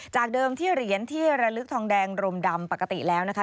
จากเดิมที่เหรียญที่ระลึกทองแดงรมดำปกติแล้วนะคะ